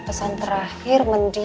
pesan terakhir mendirikan